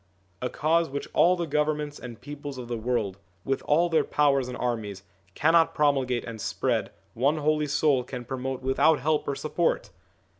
A Cause which all the governments and peoples of the world, with all their powers and armies, cannot promulgate and spread, one Holy Soul can promote without help or support